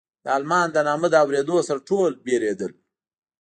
د المان د نامه له اورېدو سره ټول وېرېدل.